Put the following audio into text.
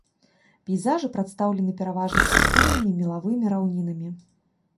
Пейзажы прадстаўлены пераважна пустыннымі мелавымі раўнінамі.